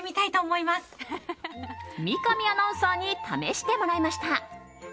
三上アナウンサーに試してもらいました。